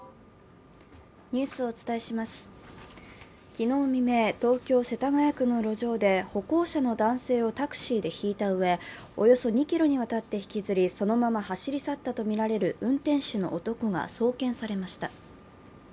昨日未明、東京・世田谷区の路上で歩行者の男性をタクシーでひいたうえおよそ２ｋｍにわたって引きずり、そのまま走り去ったとみられる運転手の男が送検されました。